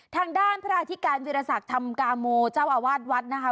ทางด้านพระอาทิการวิทยาศาสตร์ธรรมกาโมเจ้าอาวาทวัดนะคะ